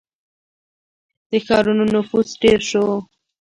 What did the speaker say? • د ښارونو نفوس ډېر شو.